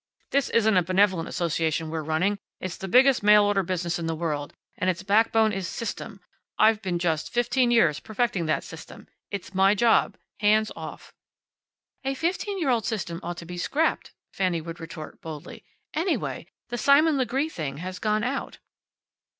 "This isn't a Benevolent Association we're running. It's the biggest mail order business in the world, and its back bone is System. I've been just fifteen years perfecting that System. It's my job. Hands off." "A fifteen year old system ought to be scrapped," Fanny would retort, boldly. "Anyway, the Simon Legree thing has gone out."